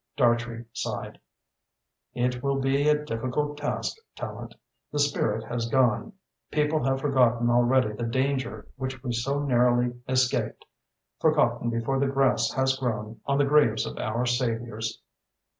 Dartrey sighed. "It will be a difficult task, Tallente. The spirit has gone. People have forgotten already the danger which we so narrowly escaped forgotten before the grass has grown on the graves of our saviours."